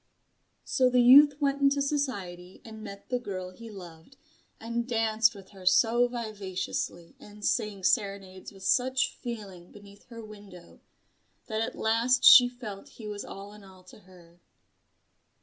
So the youth went into society and met the girl he loved, and danced with her so vivaciously and sang serenades with such feeling beneath her window, that at last she felt he was all in all to her.